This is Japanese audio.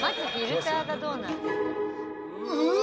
うわ！